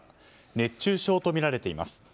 熱中症とみられています。